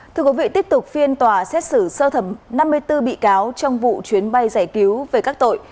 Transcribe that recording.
thưa quý vị tiếp tục phiên tòa xét xử sơ thẩm năm mươi bốn bị cáo trong vụ chuyến bay giải cứu về các tội